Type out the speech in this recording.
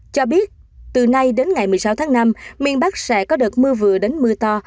cho biết từ nay đến ngày một mươi sáu tháng năm miền bắc sẽ có đợt mưa vừa đến mưa to